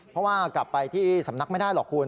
เพราะว่ากลับไปที่สำนักไม่ได้หรอกคุณ